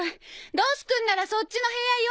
ドスくんならそっちの部屋よ。